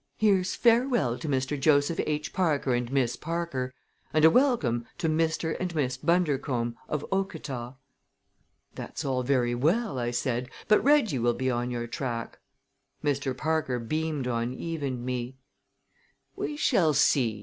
Here's farewell to Mr. Joseph H. Parker and Miss Parker. And a welcome to Mr. and Miss Bundercombe, of Okata!" "That's all very well," I said; "but Reggie will be on your track." Mr. Parker beamed on Eve and me. "We shall see!"